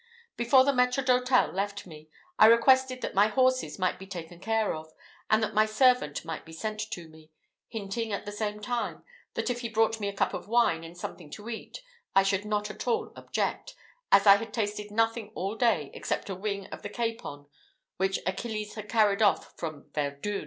Before the maître d'hôtel left me, I requested that my horses might be taken care of, and that my servant might be sent to me, hinting at the same time, that if he brought me a cup of wine and something to eat, I should not at all object, as I had tasted nothing all day except a wing of the capon which Achilles had carried off from Verdun.